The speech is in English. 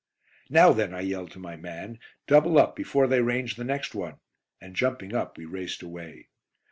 "Now then," I yelled to my man, "double up before they range the next one," and jumping up we raced away.